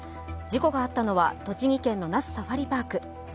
事故があったのは栃木県の那須サファリパーク。